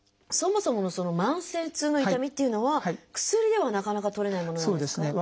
そもそものその慢性痛の痛みっていうのは薬ではなかなか取れないものなんですか？